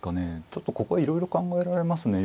ちょっとここはいろいろ考えられますね。